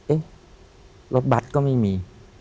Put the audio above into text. รถบัตรก็ไม่มี